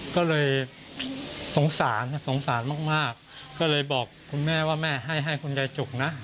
ก็เลยสงสารสงสารมากก็เลยบอกคุณแม่ว่าแม่ให้ให้คุณยายจุกนะ